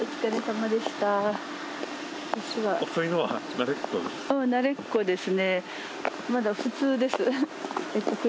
まだ普通です。